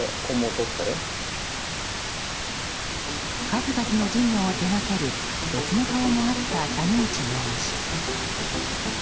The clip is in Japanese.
数々の事業を手掛ける別の顔もあった谷口容疑者。